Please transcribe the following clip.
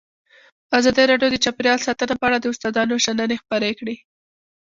ازادي راډیو د چاپیریال ساتنه په اړه د استادانو شننې خپرې کړي.